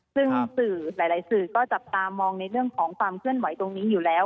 ซึ่งสื่อหลายสื่อก็จับตามองในเรื่องของความเคลื่อนไหวตรงนี้อยู่แล้ว